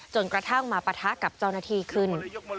จนกระทั่งมาปะทะกับเจ้าหน้าที่ขึ้น